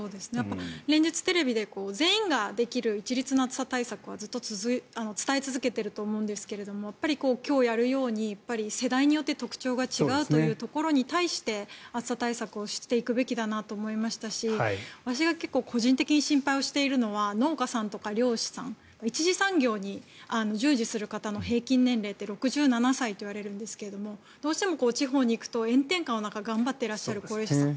連日、テレビで全員ができる一律の暑さ対策はずっと伝え続けていると思うんですが今日やるように世代によって特徴が違うというところに対して暑さ対策をしていくべきだなと思いましたし私が結構個人的に心配しているのは農家さんとか漁師さん一次産業に従事する方の平均年齢って６７歳といわれるんですがどうしても地方に行くと炎天下の中頑張っている高齢者さん